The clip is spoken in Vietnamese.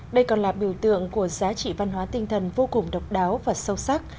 đây còn là biểu tượng của giá trị văn hóa tinh thần vô cùng độc đáo và sâu sắc